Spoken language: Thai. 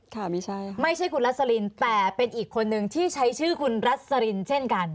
ค่ะไม่ใช่ไม่ใช่คุณรัสลินแต่เป็นอีกคนนึงที่ใช้ชื่อคุณรัสลินเช่นกัน